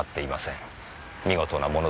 見事なものです。